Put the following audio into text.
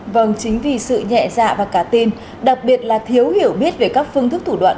vâng chính vì sự nhẹ dạ và cá tin đặc biệt là thiếu hiểu biết về các phương thức thủ đoạn